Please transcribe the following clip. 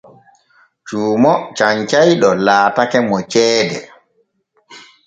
Cuumo canyayɗo laatake mo ceede.